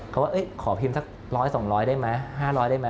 เขาว่าขอพิมพ์สักร้อยสองร้อยได้ไหมห้าร้อยได้ไหม